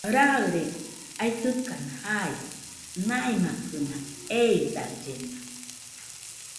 Raɨre aisɨkana jai, naimakɨna eidallena.